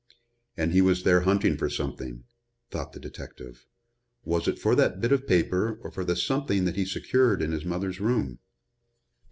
"And he was there hunting for something," thought the detective. "Was it for that bit of paper or for the something that he secured in his mother's room?"